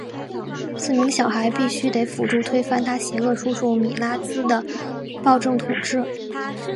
四名小孩必须得协助推翻他邪恶叔叔米拉兹的暴政统治。